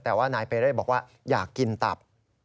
แต่ว่านายเปเร่บอกว่าอยากกินตับ